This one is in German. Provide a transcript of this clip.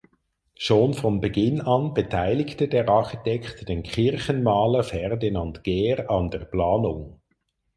Schon von Beginn an beteiligte der Architekt den Kirchenmaler Ferdinand Gehr an der Planung.